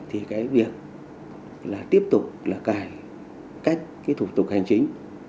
thì cái việc là tiếp tục là cải cách cái thủ tục hành chính